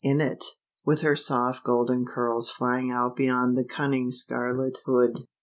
in it, with her soft golden curls hying out beyond the cun ning scarlet hood.